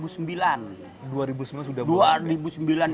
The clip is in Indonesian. dua ribu sembilan sudah mulai